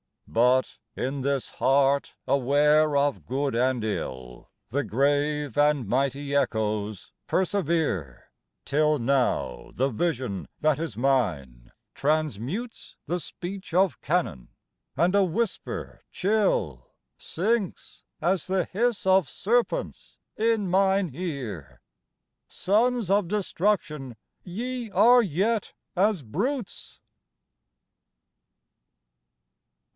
But in this heart aware of good and ill, The grave and mighty echoes persevere, Till now the vision that is mine transmutes The speech of cannon, and a whisper chill Sinks as the hiss of serpents in mine ear : "Sons of destruction, ye are yet as brutes!"